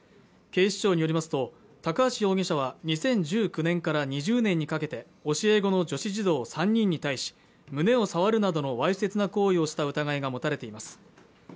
警視庁によりますと高橋容疑者は２０１９年から２０年にかけて教え子の女子児童３人に対し胸を触るなどのわいせつな行為をした疑いが持たれています